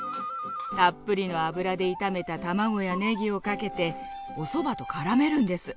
たっぷりの油で炒めた卵やネギをかけておそばと絡めるんです。